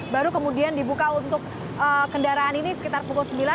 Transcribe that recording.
baru kemudian dibuka untuk kendaraan ini sekitar pukul sembilan